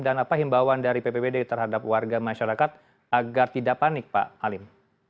dan apa himbawan dari ppbd terhadap warga masyarakat agar tidak panik pak alim